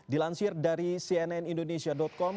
dilansir dari cnn indonesia com